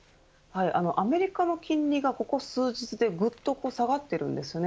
アメリカの金利が、ここ数日でぐっと下がっているんです。